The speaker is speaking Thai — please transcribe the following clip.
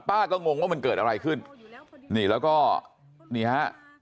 ป้าก็งงว่ามันเกิดอะไรขึ้นนี่แล้วก็นี่ฮะ